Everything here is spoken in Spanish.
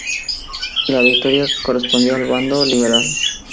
La victoria correspondió al bando liberal.